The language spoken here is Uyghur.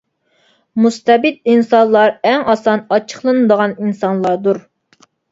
مۇستەبىت ئىنسانلار ئەڭ ئاسان ئاچچىقلىنىدىغان ئىنسانلاردۇر.